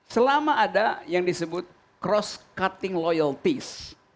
selama ada yang disebut cross cutting loyalties